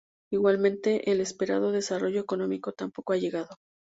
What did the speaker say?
Igualmente, el esperado desarrollo económico tampoco ha llegado.